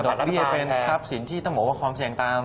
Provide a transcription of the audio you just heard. เบี้ยเป็นทรัพย์สินที่ต้องบอกว่าความเสี่ยงตาม